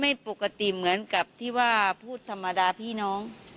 ไม่ปกติเหมือนกับที่ว่าพูดธรรมดาพี่น้อง